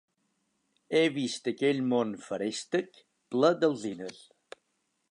He vist aquell món feréstec ple d'alzines.